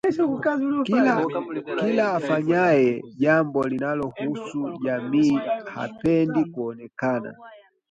kila afanyaye jambo linalohusu jamii hapendi kuonekana